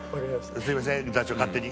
すみません座長勝手に。